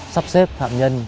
sắp xếp phạm nhân